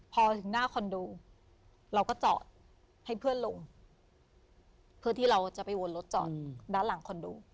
พอถึงหน้าคอนโดเราก็จอดให้เพื่อนลงเพื่อที่เราจะไปวนรถจอดด้านหลังคอนโด